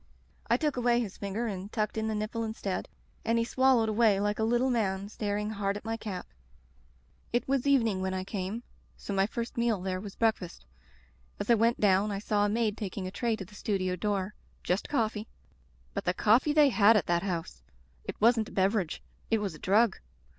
I took away his finger and tucked in the nipple instead, and he swallowed away like a little man, staring hard at my cap. "It was evening when I came, so my first meal there was breakfast. As I went down I saw a maid taking a tray to the studio door — ^just coffee. But the coffee they had at that house! It wasn't a beverage; it was a drug.